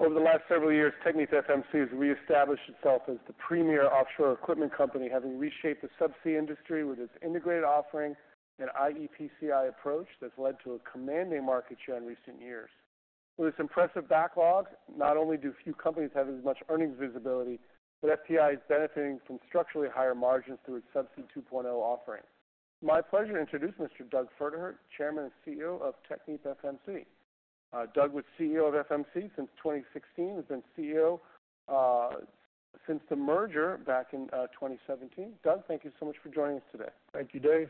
...Over the last several years, TechnipFMC has reestablished itself as the premier offshore equipment company, having reshaped the subsea industry with its integrated offering and iEPCI approach that's led to a commanding market share in recent years. With its impressive backlog, not only do few companies have as much earnings visibility, but the firm is benefiting from structurally higher margins through its Subsea 2.0 offering. My pleasure to introduce Mr. Doug Pferdehirt, Chairman and CEO of TechnipFMC. Doug was CEO of FMC since 2016, has been CEO, since the merger back in, 2017. Doug, thank you so much for joining us today. Thank you, Dave.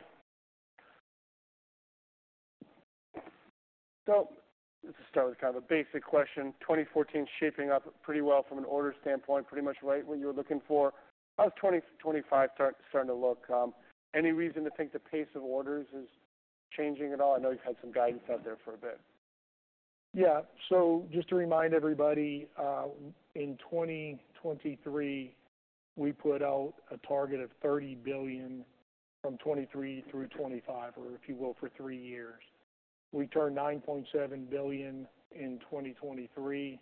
Let's just start with kind of a basic question. 2024 is shaping up pretty well from an order standpoint, pretty much right what you were looking for. How's 2025 starting to look? Any reason to think the pace of orders is changing at all? I know you've had some guidance out there for a bit. Yeah. So just to remind everybody, in 2023, we put out a target of $30 billion from 2023 through 2025, or if you will, for three years. We turned $9.7 billion in 2023.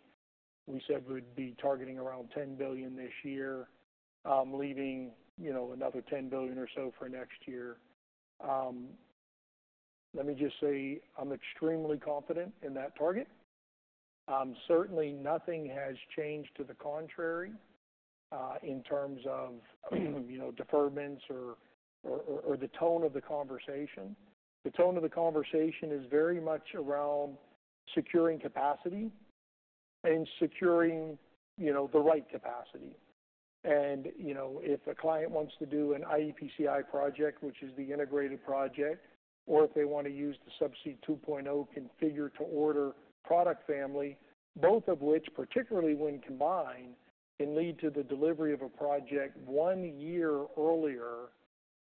We said we'd be targeting around $10 billion this year, leaving, you know, another $10 billion or so for next year. Let me just say, I'm extremely confident in that target. Certainly, nothing has changed to the contrary, in terms of, you know, deferments or the tone of the conversation. The tone of the conversation is very much around securing capacity and securing, you know, the right capacity. You know, if a client wants to do an iEPCI project, which is the integrated project, or if they want to use the Subsea 2.0 configure-to-order product family, both of which, particularly when combined, can lead to the delivery of a project one year earlier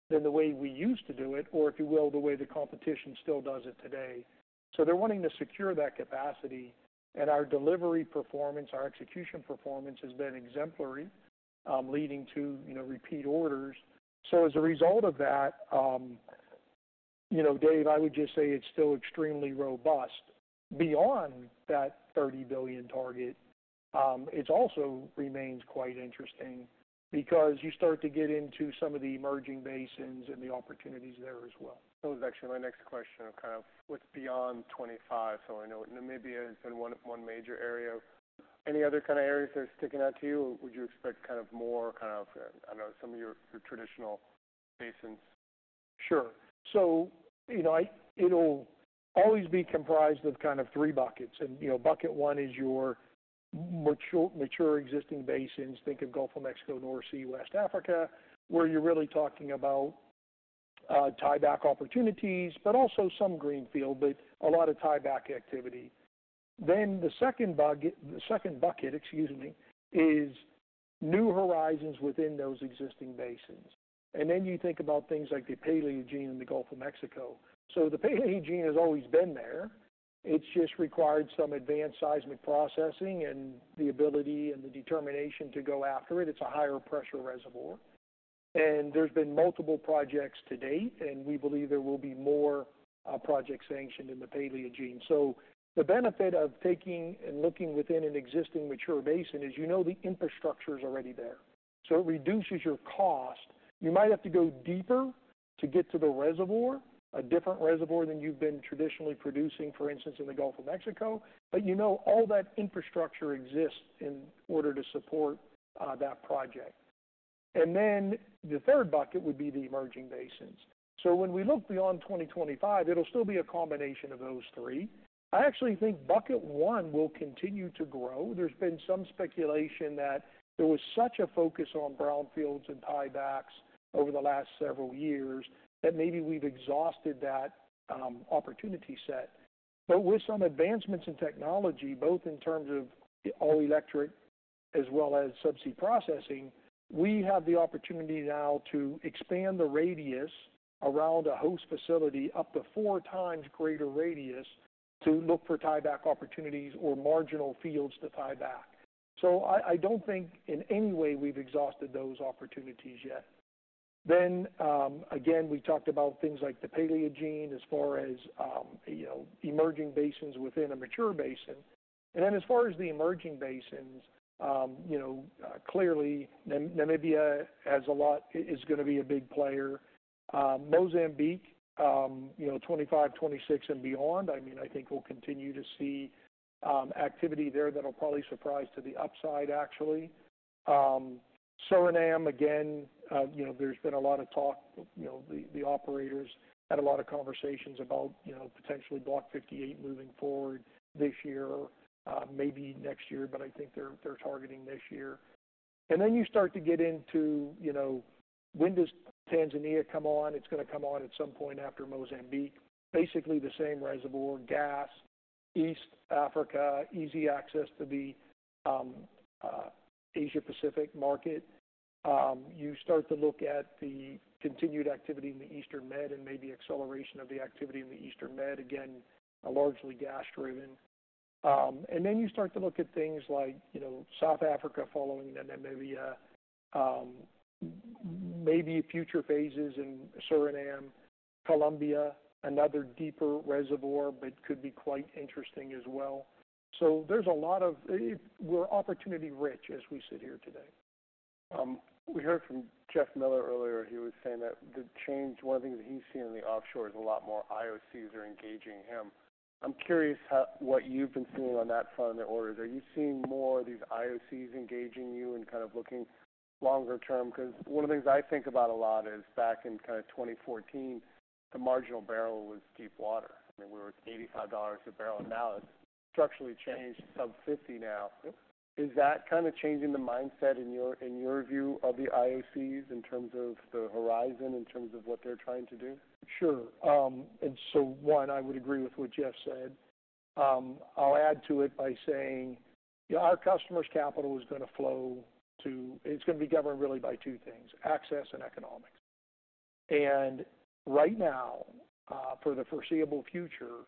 than the way we used to do it, or if you will, the way the competition still does it today. They're wanting to secure that capacity, and our delivery performance, our execution performance, has been exemplary, leading to, you know, repeat orders. As a result of that, you know, Dave, I would just say it's still extremely robust. Beyond that $30 billion target, it also remains quite interesting because you start to get into some of the emerging basins and the opportunities there as well. That was actually my next question of kind of what's beyond 2025. So I know Namibia has been one major area. Any other kind of areas that are sticking out to you? Would you expect kind of more, kind of, I know some of your traditional basins? Sure. So you know, it'll always be comprised of kind of three buckets. And, you know, bucket one is your mature existing basins. Think of Gulf of Mexico, North Sea, West Africa, where you're really talking about tieback opportunities, but also some greenfield, but a lot of tieback activity. Then the second bucket, excuse me, is new horizons within those existing basins. And then you think about things like the Paleogene in the Gulf of Mexico. So the Paleogene has always been there. It's just required some advanced seismic processing and the ability and the determination to go after it. It's a higher pressure reservoir, and there's been multiple projects to date, and we believe there will be more projects sanctioned in the Paleogene. So the benefit of taking and looking within an existing mature basin is, you know, the infrastructure is already there, so it reduces your cost. You might have to go deeper to get to the reservoir, a different reservoir than you've been traditionally producing, for instance, in the Gulf of Mexico. But you know all that infrastructure exists in order to support that project. And then the third bucket would be the emerging basins. So when we look beyond 2025, it'll still be a combination of those three. I actually think bucket one will continue to grow. There's been some speculation that there was such a focus on brownfields and tiebacks over the last several years that maybe we've exhausted that opportunity set. But with some advancements in technology, both in terms of all-electric as well as subsea processing, we have the opportunity now to expand the radius around a host facility up to four times greater radius to look for tieback opportunities or marginal fields to tie back. So I don't think in any way we've exhausted those opportunities yet. Then, again, we talked about things like the Paleogene as far as, you know, emerging basins within a mature basin. And then as far as the emerging basins, you know, clearly, Namibia has a lot, is gonna be a big player. Mozambique, you know, 2025, 2026 and beyond, I mean, I think we'll continue to see, activity there that'll probably surprise to the upside, actually. Suriname, again, you know, there's been a lot of talk. You know, the operators had a lot of conversations about, you know, potentially Block 58 moving forward this year, maybe next year, but I think they're targeting this year. Then you start to get into, you know, when does Tanzania come on? It's gonna come on at some point after Mozambique. Basically, the same reservoir, gas, East Africa, easy access to the Asia-Pacific market. You start to look at the continued activity in the Eastern Med and maybe acceleration of the activity in the Eastern Med, again, largely gas-driven. Then you start to look at things like, you know, South Africa following Namibia, maybe future phases in Suriname. Colombia, another deeper reservoir, but could be quite interesting as well. So there's a lot of, we're opportunity rich as we sit here today. We heard from Jeff Miller earlier. He was saying that the change, one of the things that he's seeing in the offshore is a lot more IOCs are engaging him. I'm curious how what you've been seeing on that front in the orders. Are you seeing more of these IOCs engaging you and kind of looking longer term? Because one of the things I think about a lot is back in kind of 2014, the marginal barrel was deep water, and we were at $85 a barrel, and now it's structurally changed, sub $50 now. Is that kind of changing the mindset in your, in your view of the IOCs in terms of the horizon, in terms of what they're trying to do? Sure, and so one, I would agree with what Jeff said. I'll add to it by saying, our customer's capital is gonna flow to... It's gonna be governed really by two things: access and economics. Right now, for the foreseeable future,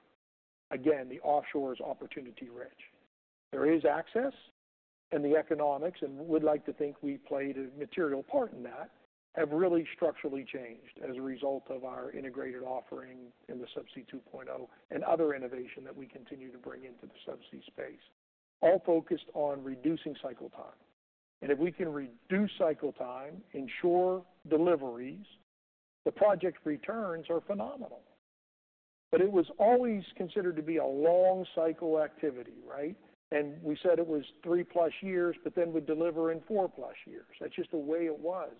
again, the offshore is opportunity rich. There is access, and the economics, and we'd like to think we played a material part in that, have really structurally changed as a result of our integrated offering in the Subsea 2.0 and other innovation that we continue to bring into the subsea space, all focused on reducing cycle time. If we can reduce cycle time, ensure deliveries, the project's returns are phenomenal. It was always considered to be a long cycle activity, right? We said it was 3+ years, but then we'd deliver in 4+ years. That's just the way it was.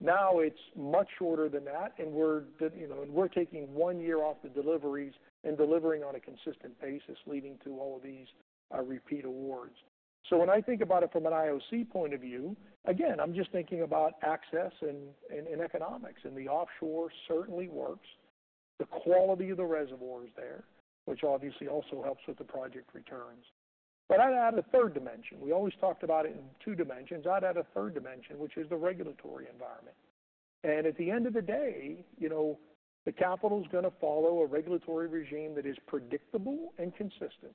Now it's much shorter than that, and we're, you know, taking one year off the deliveries and delivering on a consistent basis, leading to all of these repeat awards. So when I think about it from an IOC point of view, again, I'm just thinking about access and economics, and the offshore certainly works. The quality of the reservoir is there, which obviously also helps with the project returns. But I'd add a third dimension. We always talked about it in two dimensions. I'd add a third dimension, which is the regulatory environment. And at the end of the day, you know, the capital's gonna follow a regulatory regime that is predictable and consistent.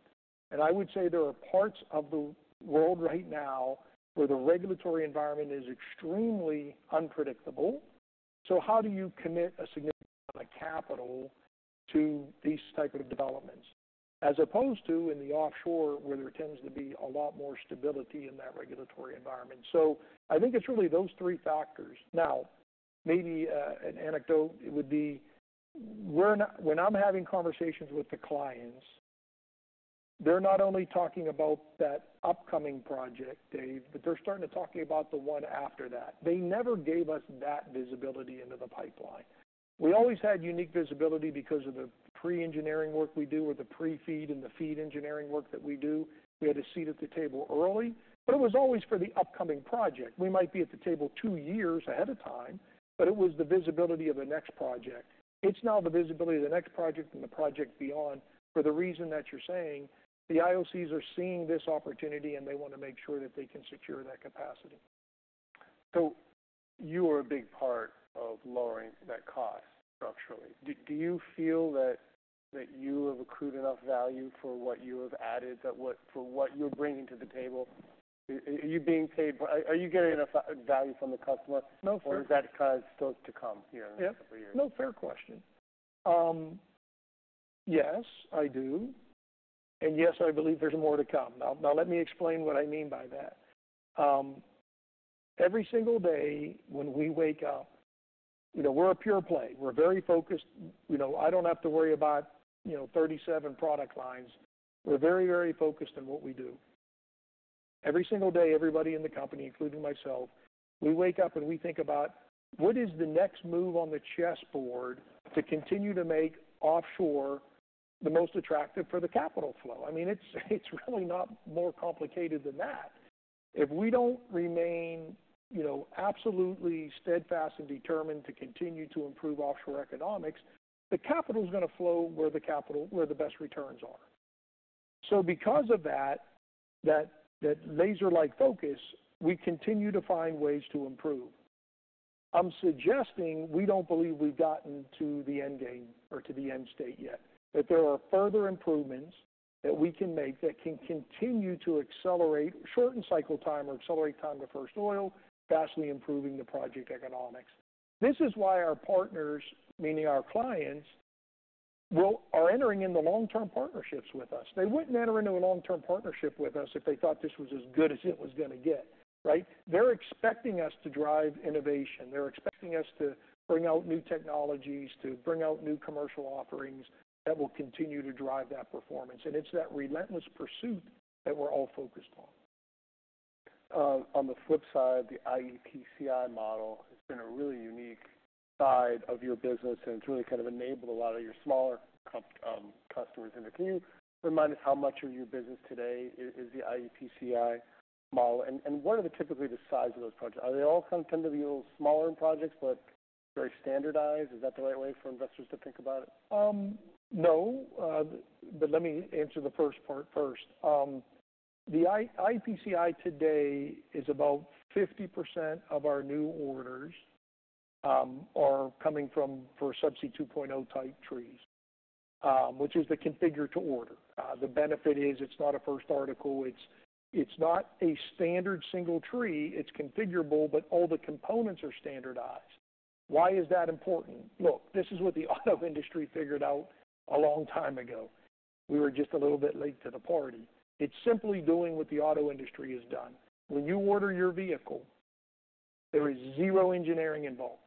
And I would say there are parts of the world right now where the regulatory environment is extremely unpredictable. So how do you commit a significant amount of capital to these type of developments? As opposed to in the offshore, where there tends to be a lot more stability in that regulatory environment. So I think it's really those three factors. Now, maybe, an anecdote would be when I'm having conversations with the clients, they're not only talking about that upcoming project, Dave, but they're starting to talking about the one after that. They never gave us that visibility into the pipeline. We always had unique visibility because of the pre-engineering work we do, or the pre-FEED and the FEED engineering work that we do. We had a seat at the table early, but it was always for the upcoming project. We might be at the table two years ahead of time, but it was the visibility of the next project. It's now the visibility of the next project and the project beyond. For the reason that you're saying, the IOCs are seeing this opportunity, and they want to make sure that they can secure that capacity. So you are a big part of lowering that cost structurally. Do you feel that you have accrued enough value for what you have added, for what you're bringing to the table? Are you being paid by... Are you getting enough value from the customer? No. Or is that still to come here in a couple of years? No, fair question. Yes, I do, and yes, I believe there's more to come. Now, let me explain what I mean by that. Every single day when we wake up, you know, we're a pure play. We're very focused. You know, I don't have to worry about, you know, 37 product lines. We're very, very focused on what we do. Every single day, everybody in the company, including myself, we wake up and we think about: What is the next move on the chessboard to continue to make offshore the most attractive for the capital flow? I mean, it's really not more complicated than that. If we don't remain, you know, absolutely steadfast and determined to continue to improve offshore economics, the capital's gonna flow where the best returns are. So because of that, that laser-like focus, we continue to find ways to improve. I'm suggesting we don't believe we've gotten to the end game or to the end state yet, that there are further improvements that we can make that can continue to accelerate, shorten cycle time, or accelerate time to first oil, vastly improving the project economics. This is why our partners, meaning our clients, are entering into long-term partnerships with us. They wouldn't enter into a long-term partnership with us if they thought this was as good as it was gonna get, right? They're expecting us to drive innovation. They're expecting us to bring out new technologies, to bring out new commercial offerings that will continue to drive that performance. And it's that relentless pursuit that we're all focused on. On the flip side, the iEPCI model has been a really unique side of your business, and it's really kind of enabled a lot of your smaller cap customers. And can you remind us how much of your business today is the iEPCI model, and what are typically the size of those projects? Are they all kind of tend to be a little smaller in projects but very standardized? Is that the right way for investors to think about it? No, but let me answer the first part first. The iEPCI today is about 50% of our new orders are coming from for Subsea 2.0 type trees. Which is the configure to order. The benefit is it's not a first article. It's, it's not a standard single tree. It's configurable, but all the components are standardized. Why is that important? Look, this is what the auto industry figured out a long time ago. We were just a little bit late to the party. It's simply doing what the auto industry has done. When you order your vehicle, there is zero engineering involved.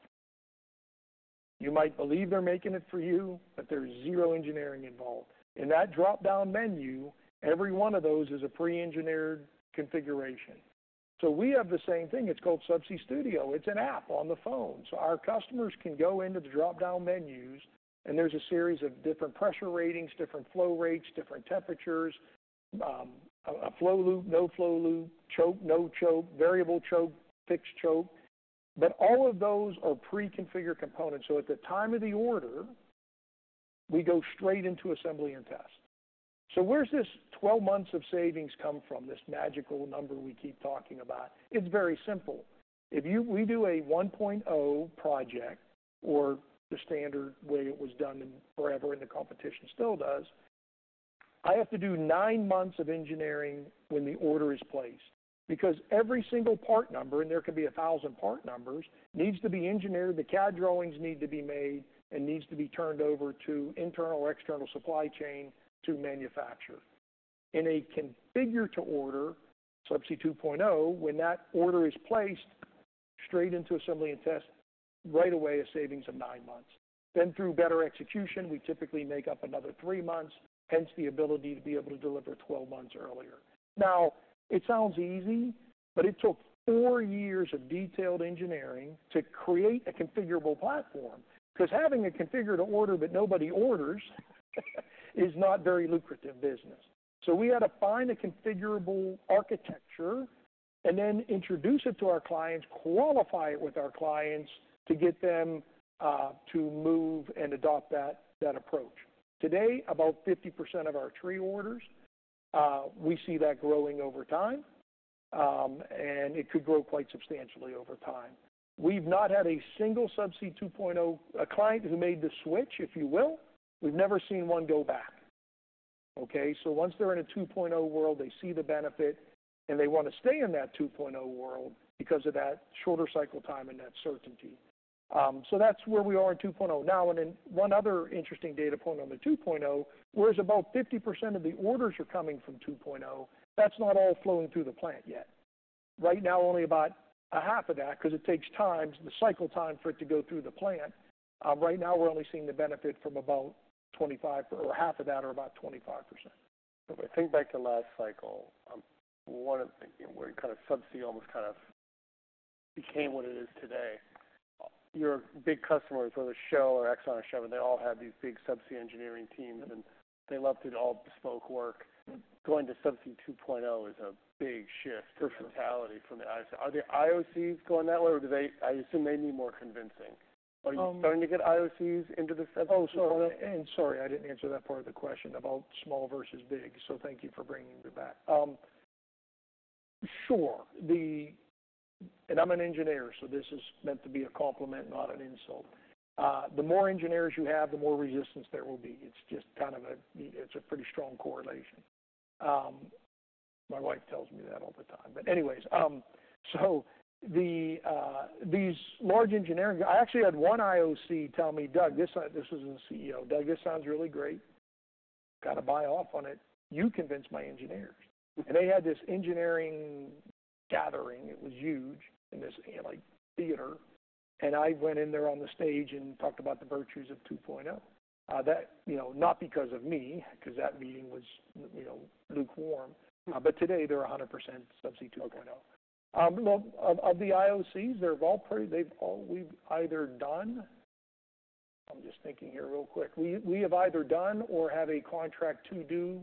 You might believe they're making it for you, but there's zero engineering involved. In that drop-down menu, every one of those is a pre-engineered configuration. So we have the same thing. It's called Subsea Studio. It's an app on the phone. So our customers can go into the drop-down menus, and there's a series of different pressure ratings, different flow rates, different temperatures, flow loop, no flow loop, choke, no choke, variable choke, fixed choke. But all of those are pre-configured components, so at the time of the order, we go straight into assembly and test. So where's this twelve months of savings come from, this magical number we keep talking about? It's very simple. We do a 1.0 project, or the standard way it was done in forever, and the competition still does, I have to do nine months of engineering when the order is placed. Because every single part number, and there could be a thousand part numbers, needs to be engineered, the CAD drawings need to be made and needs to be turned over to internal or external supply chain to manufacture. In a configure-to-order, Subsea 2.0, when that order is placed, straight into assembly and test, right away, a savings of nine months. Then, through better execution, we typically make up another three months, hence the ability to be able to deliver 12 months earlier. Now, it sounds easy, but it took four years of detailed engineering to create a configurable platform, because having a configure-to-order that nobody orders, is not very lucrative business. So we had to find a configurable architecture and then introduce it to our clients, qualify it with our clients, to get them to move and adopt that, that approach. Today, about 50% of our tree orders, we see that growing over time, and it could grow quite substantially over time. We've not had a single Subsea 2.0 client who made the switch, if you will, we've never seen one go back, okay? So once they're in a 2.0 world, they see the benefit, and they wanna stay in that 2.0 world because of that shorter cycle time and that certainty. So that's where we are in 2.0. Now, and then one other interesting data point on the 2.0, whereas about 50% of the orders are coming from 2.0, that's not all flowing through the plant yet. Right now, only about a half of that, 'cause it takes time, the cycle time, for it to go through the plant. Right now, we're only seeing the benefit from about 25, or half of that, or about 25%. If I think back to last cycle, one of the where kind of Subsea almost kind of became what it is today, your big customers, whether Shell or Exxon or Chevron, they all have these big subsea engineering teams, and they love to do all bespoke work. Going to Subsea 2.0 is a big shift. For sure Mentality from the IOC. Are the IOCs going that way, or do they... I assume they need more convincing. Are you starting to get IOCs into the Subsea 2.0? Oh, so, and sorry, I didn't answer that part of the question about small versus big, so thank you for bringing me back. And I'm an engineer, so this is meant to be a compliment, not an insult. The more engineers you have, the more resistance there will be. It's just kind of a, it's a pretty strong correlation. My wife tells me that all the time. But anyways, so, these large engineering, I actually had one IOC tell me, "Doug", this was the CEO. "Doug, this sounds really great. Gotta buy off on it. You convince my engineers." And they had this engineering gathering, it was huge, in a theater, and I went in there on the stage and talked about the virtues of 2.0. You know, not because of me, because that meeting was, you know, lukewarm. But today, they're 100% Subsea 2.0. Okay. Well, of the IOCs, they're all pretty. We've either done or have a contract to do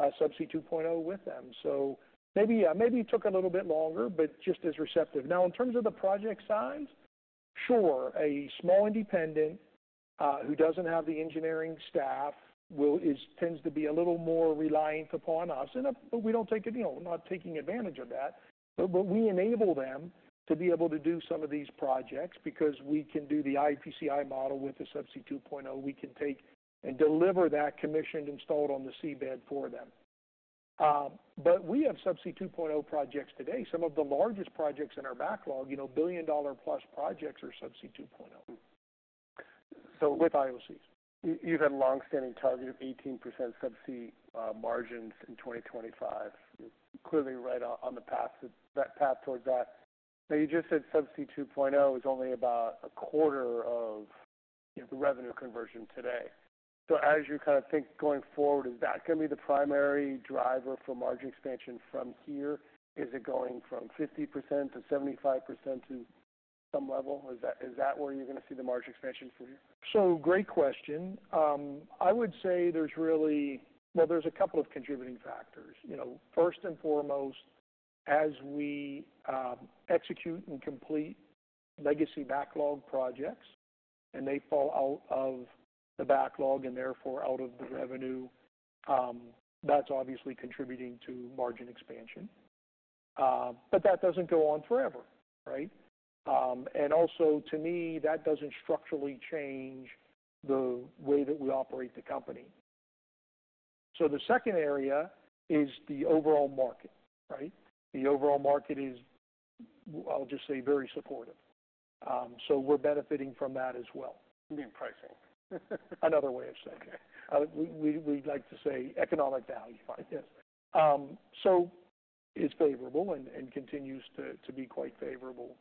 Subsea 2.0 with them. So maybe, yeah, maybe it took a little bit longer, but just as receptive. Now, in terms of the project size, sure, a small independent who doesn't have the engineering staff tends to be a little more reliant upon us, and, but we're not taking advantage of that. But we enable them to be able to do some of these projects because we can do the iEPCI model with the Subsea 2.0. We can take and deliver that commissioned, installed on the seabed for them. But we have Subsea 2.0 projects today, some of the largest projects in our backlog, you know, $1 billion+ projects are Subsea 2.0, with IOCs. So you've had a long-standing target of 18% Subsea margins in 2025. You're clearly right on that path towards that. Now, you just said Subsea 2.0 is only about a quarter of, you know, the revenue conversion today. So as you kind of think going forward, is that gonna be the primary driver for margin expansion from here? Is it going from 50% to 75% to some level? Is that, is that where you're gonna see the margin expansion from here? So great question. I would say there's really... Well, there's a couple of contributing factors. You know, first and foremost, as we execute and complete legacy backlog projects, and they fall out of the backlog and therefore out of the revenue, that's obviously contributing to margin expansion... but that doesn't go on forever, right? And also, to me, that doesn't structurally change the way that we operate the company. So the second area is the overall market, right? The overall market is, I'll just say, very supportive. So we're benefiting from that as well. You mean pricing? Another way of saying it. We like to say economic value. Right, yes. So it's favorable and continues to be quite favorable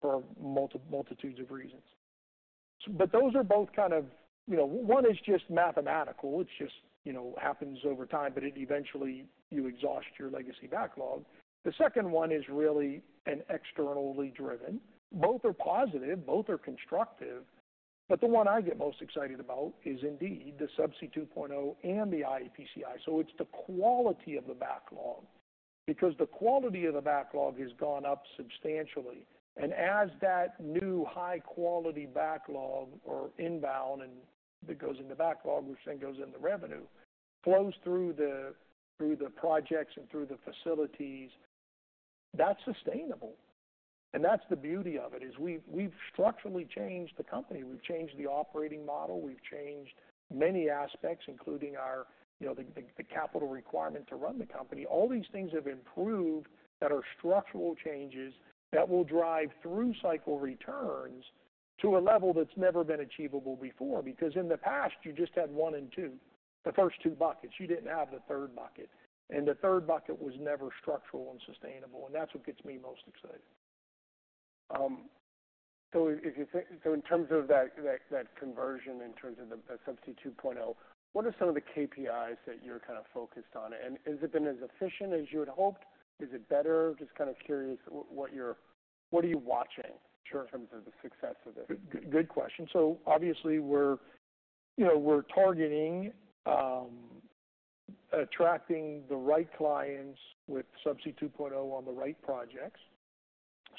for multitudes of reasons. But those are both kind of, you know. One is just mathematical. It's just, you know, happens over time, but it eventually you exhaust your legacy backlog. The second one is really an externally driven. Both are positive, both are constructive, but the one I get most excited about is indeed the Subsea 2.0 and the iEPCI. So it's the quality of the backlog, because the quality of the backlog has gone up substantially. And as that new high quality backlog or inbound, and it goes in the backlog, which then goes into revenue, flows through the projects and through the facilities, that's sustainable. And that's the beauty of it, is we've structurally changed the company. We've changed the operating model. We've changed many aspects, including our, you know, the capital requirement to run the company. All these things have improved, that are structural changes, that will drive through cycle returns to a level that's never been achievable before. Because in the past, you just had one and two, the first two buckets. You didn't have the third bucket, and the third bucket was never structural and sustainable, and that's what gets me most excited. So if you think... So in terms of that conversion, in terms of the Subsea 2.0, what are some of the KPIs that you're kind of focused on? And has it been as efficient as you had hoped? Is it better? Just kind of curious what you're watching in terms of the success of this? Good, good question. So obviously, we're, you know, we're targeting attracting the right clients with Subsea 2.0 on the right projects.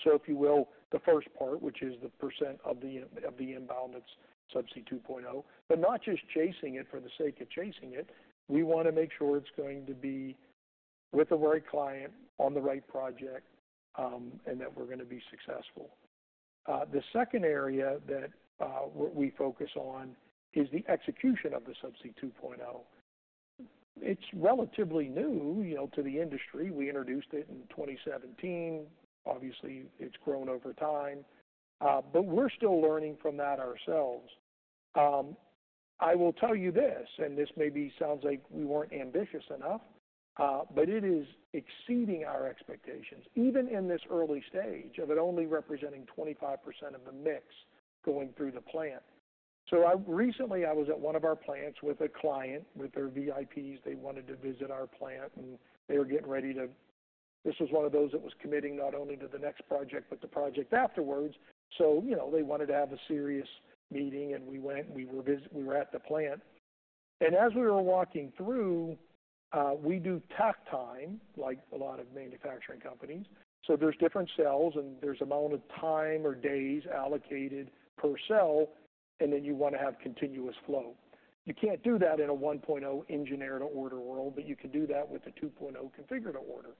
So if you will, the first part, which is the percent of the inbound, that's Subsea 2.0, but not just chasing it for the sake of chasing it. We wanna make sure it's going to be with the right client, on the right project, and that we're gonna be successful. The second area that we focus on is the execution of the Subsea 2.0. It's relatively new, you know, to the industry. We introduced it in 2017. Obviously, it's grown over time, but we're still learning from that ourselves. I will tell you this, and this maybe sounds like we weren't ambitious enough, but it is exceeding our expectations, even in this early stage of it only representing 25% of the mix going through the plant. So recently, I was at one of our plants with a client, with their VIPs. They wanted to visit our plant, and they were getting ready to... This was one of those that was committing not only to the next project, but the project afterwards. So, you know, they wanted to have a serious meeting, and we went, and we were at the plant. And as we were walking through, we do takt time, like a lot of manufacturing companies. So there's different cells, and there's amount of time or days allocated per cell, and then you wanna have continuous flow. You can't do that in a 1.0 engineer-to-order world, but you can do that with a 2.0 configure-to-order,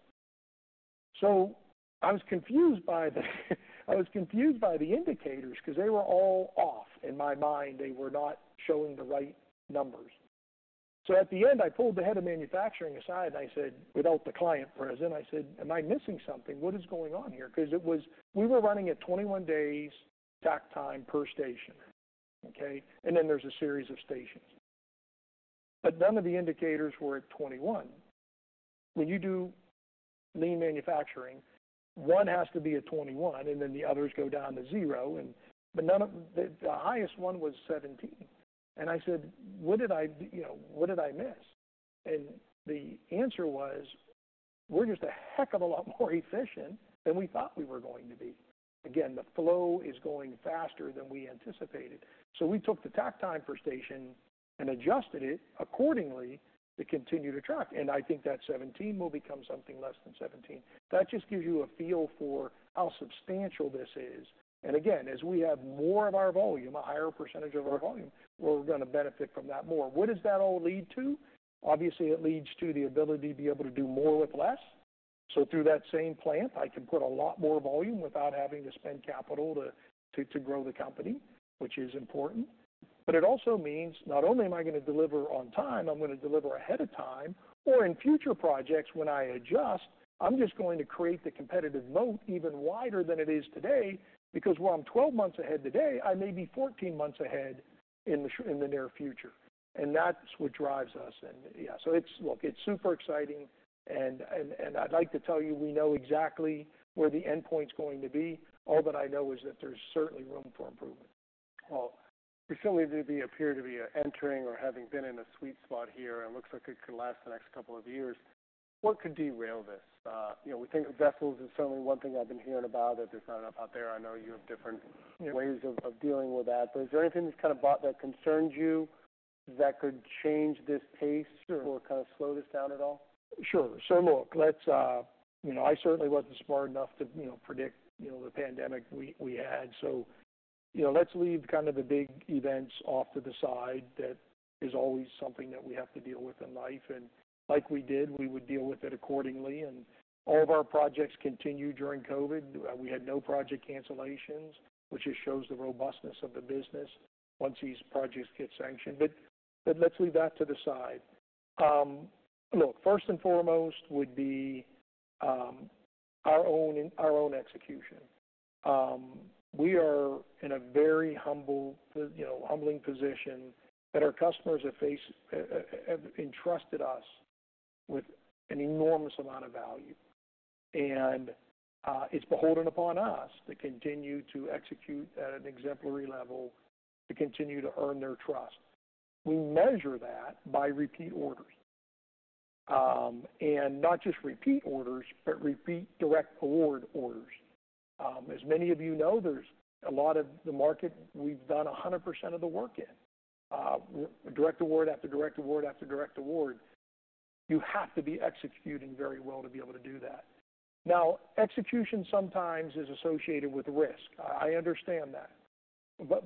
so I was confused by the indicators because they were all off. In my mind, they were not showing the right numbers, so at the end, I pulled the head of manufacturing aside, and I said, without the client present, "Am I missing something? What is going on here?" because it was... We were running at 21 days takt time per station, okay? And then there's a series of stations. But none of the indicators were at 21. When you do lean manufacturing, one has to be at 21, and then the others go down to zero, but the highest one was 17, and I said: What did I, you know, what did I miss? The answer was: We're just a heck of a lot more efficient than we thought we were going to be. Again, the flow is going faster than we anticipated. We took the takt time per station and adjusted it accordingly to continue to track. I think that 17 will become something less than 17. That just gives you a feel for how substantial this is. Again, as we have more of our volume, a higher percentage of our volume, we're gonna benefit from that more. What does that all lead to? Obviously, it leads to the ability to be able to do more with less. Through that same plant, I can put a lot more volume without having to spend capital to grow the company, which is important. But it also means not only am I gonna deliver on time, I'm gonna deliver ahead of time, or in future projects, when I adjust, I'm just going to create the competitive moat even wider than it is today, because while I'm twelve months ahead today, I may be fourteen months ahead in the near future. And that's what drives us. And yeah, so it's... Look, it's super exciting, and I'd like to tell you, we know exactly where the endpoint's going to be. All that I know is that there's certainly room for improvement. Recently, we appear to be entering or having been in a sweet spot here, and it looks like it could last the next couple of years. What could derail this? You know, we think of vessels as certainly one thing I've been hearing about, that there's not enough out there. I know you have different ways of dealing with that, but is there anything that's kind of, that concerns you, that could change this pace? Sure Or kind of slow this down at all? Sure. So look, let's. You know, I certainly wasn't smart enough to, you know, predict, you know, the pandemic we had. You know, let's leave kind of the big events off to the side. That is always something that we have to deal with in life, and like we did, we would deal with it accordingly. And all of our projects continued during COVID. We had no project cancellations, which just shows the robustness of the business once these projects get sanctioned. But let's leave that to the side. Look, first and foremost would be our own execution. We are in a very humble, you know, humbling position that our customers have entrusted us with an enormous amount of value, and it's beholden upon us to continue to execute at an exemplary level, to continue to earn their trust. We measure that by repeat orders. And not just repeat orders, but repeat direct award orders. As many of you know, there's a lot of the market we've done 100% of the work in. Direct award, after direct award, after direct award. You have to be executing very well to be able to do that. Now, execution sometimes is associated with risk. I understand that,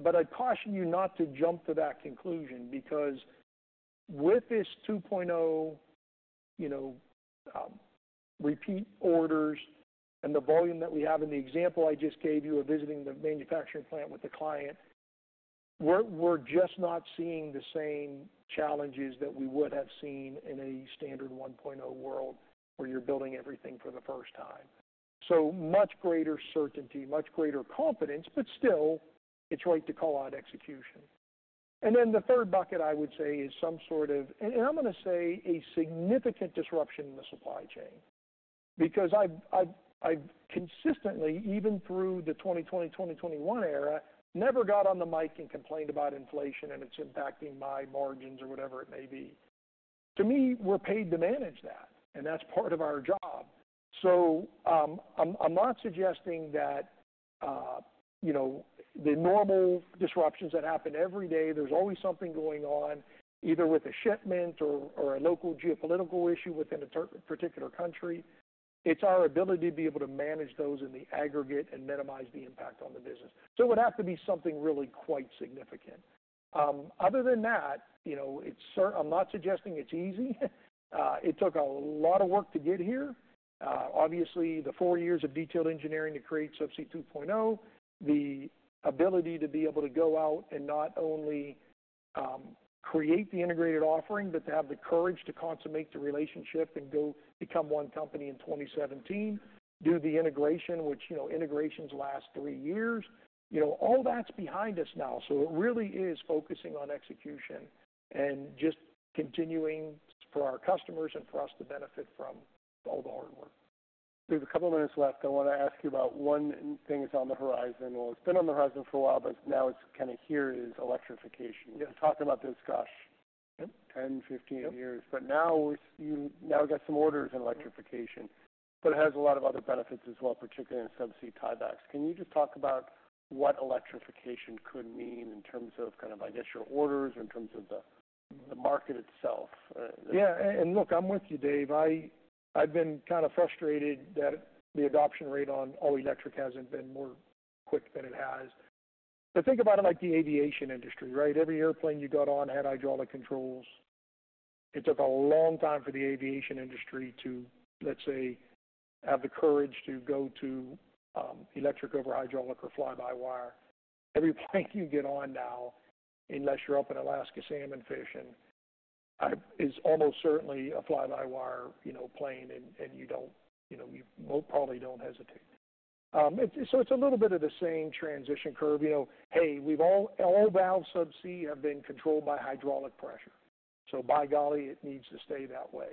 but I'd caution you not to jump to that conclusion because with this 2.0, you know, repeat orders and the volume that we have, and the example I just gave you of visiting the manufacturing plant with the client, we're just not seeing the same challenges that we would have seen in a standard 1.0 world, where you're building everything for the first time. So much greater certainty, much greater confidence, but still, it's right to call out execution. The third bucket, I would say, is some sort of a significant disruption in the supply chain. Because I've consistently, even through the 2020-2021 era, never got on the mic and complained about inflation, and it's impacting my margins or whatever it may be. To me, we're paid to manage that, and that's part of our job, so I'm not suggesting that, you know, the normal disruptions that happen every day, there's always something going on, either with a shipment or a local geopolitical issue within a particular country. It's our ability to be able to manage those in the aggregate and minimize the impact on the business, so it would have to be something really quite significant. Other than that, you know, it's. I'm not suggesting it's easy. It took a lot of work to get here. Obviously, the four years of detailed engineering to create Subsea 2.0, the ability to be able to go out and not only create the integrated offering, but to have the courage to consummate the relationship and go become one company in 2017. Done the integration, which, you know, integrations last three years. You know, all that's behind us now, so it really is focusing on execution and just continuing for our customers and for us to benefit from all the hard work. We have a couple of minutes left. I want to ask you about one thing that's on the horizon, or it's been on the horizon for a while, but now it's kind of here, is electrification. Yes. We've talked about this, gosh- Yep. Ten, fifteen years. Yep. You now got some orders in electrification, but it has a lot of other benefits as well, particularly in subsea tiebacks. Can you just talk about what electrification could mean in terms of kind of initial orders or in terms of the market itself? Yeah, and, and look, I'm with you, Dave. I, I've been kind of frustrated that the adoption rate on all electric hasn't been more quick than it has. But think about it like the aviation industry, right? Every airplane you got on had hydraulic controls. It took a long time for the aviation industry to, let's say, have the courage to go to electric over hydraulic or fly-by-wire. Every plane you get on now, unless you're up in Alaska, salmon fishing, is almost certainly a fly-by-wire, you know, plane, and, and you don't, you know, you most probably don't hesitate. It, so it's a little bit of the same transition curve, you know, hey, we've all--all valves subsea have been controlled by hydraulic pressure, so by golly, it needs to stay that way.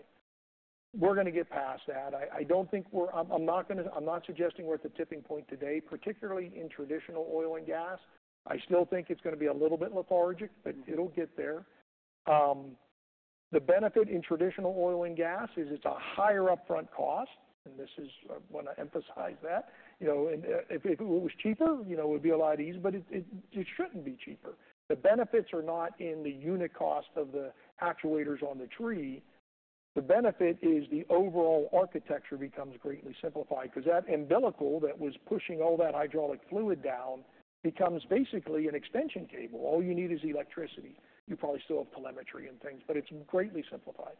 We're gonna get past that. I, I don't think we're... I'm not suggesting we're at the tipping point today, particularly in traditional oil and gas. I still think it's gonna be a little bit lethargic, but it'll get there. The benefit in traditional oil and gas is it's a higher upfront cost, and this is, I wanna emphasize that. You know, and if it was cheaper, you know, it would be a lot easier, but it shouldn't be cheaper. The benefits are not in the unit cost of the actuators on the tree. The benefit is the overall architecture becomes greatly simplified, because that umbilical that was pushing all that hydraulic fluid down becomes basically an extension cable. All you need is electricity. You probably still have telemetry and things, but it's greatly simplified.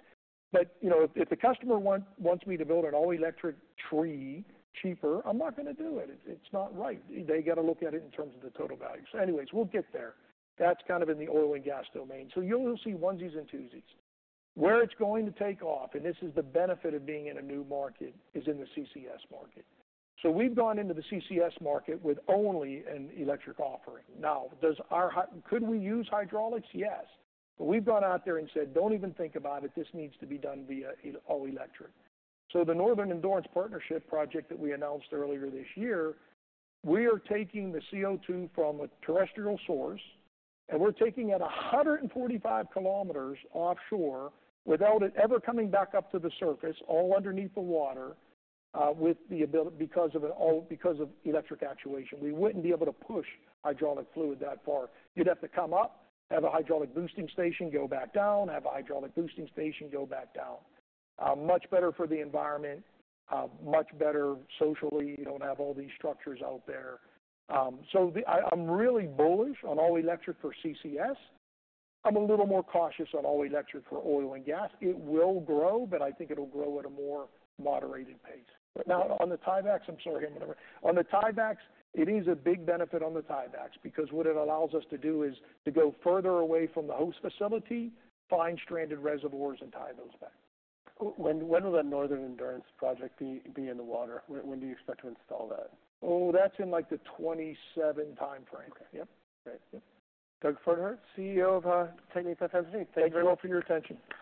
You know, if the customer wants me to build an all-electric tree cheaper, I'm not gonna do it. It's not right. They got to look at it in terms of the total value. Anyways, we'll get there. That's kind of in the oil and gas domain. You'll see onesies and twosies. Where it's going to take off, and this is the benefit of being in a new market, is in the CCS market. We've gone into the CCS market with only an electric offering. Now, could we use hydraulics? Yes. But we've gone out there and said: Don't even think about it. This needs to be done via all electric. So the Northern Endurance Partnership project that we announced earlier this year, we are taking the CO2 from a terrestrial source, and we're taking it 145 km offshore without it ever coming back up to the surface, all underneath the water, with the ability. Because of it all, because of electric actuation. We wouldn't be able to push hydraulic fluid that far. You'd have to come up, have a hydraulic boosting station, go back down, have a hydraulic boosting station, go back down. Much better for the environment, much better socially. You don't have all these structures out there. So I'm really bullish on all-electric for CCS. I'm a little more cautious on all-electric for oil and gas. It will grow, but I think it'll grow at a more moderated pace. But now, on the tiebacks, I'm sorry, I'm gonna... On the tiebacks, it is a big benefit on the tiebacks, because what it allows us to do is to go further away from the host facility, find stranded reservoirs and tie those back. When will that Northern Endurance Project be in the water? When do you expect to install that? Oh, that's in, like, the 2027 timeframe. Okay. Great. Doug Pferdehirt, CEO of TechnipFMC. Thank you very much for your attention.